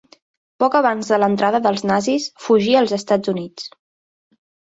Poc abans de l'entrada dels nazis, fugí als Estats Units.